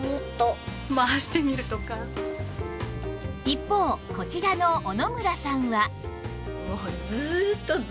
一方こちらの小野村さんは